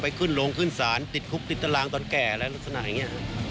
ขึ้นโรงขึ้นศาลติดคุกติดตารางตอนแก่แล้วลักษณะอย่างนี้